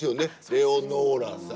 レオノーラさん。